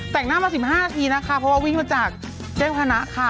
แต่งหน้ามา๑๕นาทีนะคะเพราะว่าวิ่งมาจากแจ้งพนักค่ะ